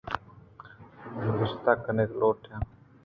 من نبشتہ کنگ لوٹ آں